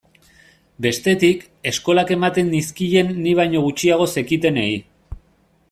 Bestetik, eskolak ematen nizkien ni baino gutxiago zekitenei.